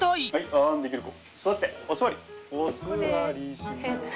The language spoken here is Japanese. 「あん」できる子？